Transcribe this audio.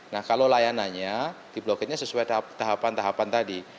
nah kalau layanannya diblokirnya sesuai tahapan tahapan tadi